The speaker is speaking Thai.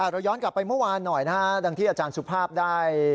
เราย้อนกลับไปเมื่อวานหน่อยนะฮะดังที่อาจารย์สุภาพได้